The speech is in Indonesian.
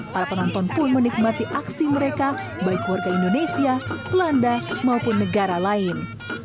para penonton pun menikmati aksi mereka baik warga indonesia belanda maupun negara lain